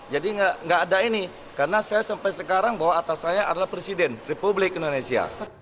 jadi nggak ada ini karena saya sampai sekarang bahwa atas saya adalah presiden republik indonesia